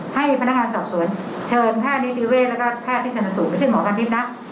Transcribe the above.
ให้พนักงานสอบสวนเชิญแพทย์นิติเวศแล้วก็แพทย์ที่ชนสูตรไม่ใช่หมอกณิตนะ